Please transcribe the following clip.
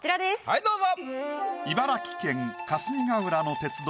はいどうぞ。